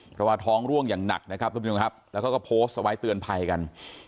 เพราะว่าท้องร่วงอย่างหนักนะครับแล้วก็โพสต์ไว้เตือนภัยกัน